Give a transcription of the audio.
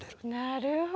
なるほど。